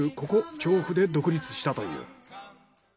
調布で独立したという。